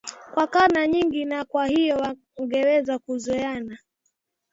wa karne nyingi na kwa hiyo wakaweza kuzoeana